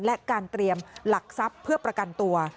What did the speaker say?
และการเตรียมหลักทรัพย์เพื่อประกันตัว